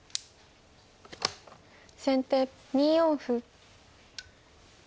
先手２四歩。